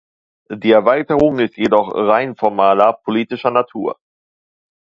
Die Erweiterung ist jedoch rein formaler, politischer Natur.